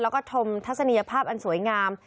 แล้วก็ชมทัศนียภาพอันสวยงาม